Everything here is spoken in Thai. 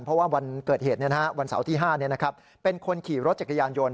เพราะว่าวันเกิดเหตุวันเสาร์ที่๕เป็นคนขี่รถจักรยานยนต์